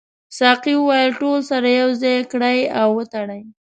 ساقي وویل ټول سره یو ځای کړئ او وتړئ.